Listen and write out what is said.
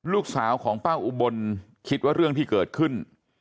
ลูกสาวของป้าอุบลคิดว่าเรื่องที่เกิดขึ้น